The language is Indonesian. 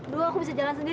duh aku bisa jalan sendiri